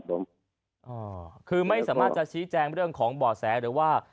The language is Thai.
คือไม่สามารถจะชี้แจงเรื่องของบ่อแสหรือว่า